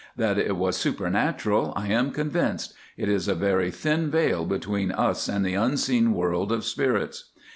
That it was supernatural, I am convinced; it is a very thin veil between us and the unseen world of spirits.